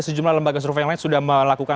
sejumlah lembaga survei yang lain sudah melakukan